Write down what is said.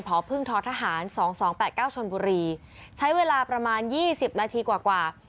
ผอพึ่งท้อทหารสองสองแปดเก้าชนบุรีใช้เวลาประมาณยี่สิบนาทีกว่ากว่า